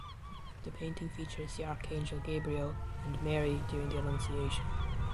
The painting features the archangel Gabriel and Mary during the Annunciation.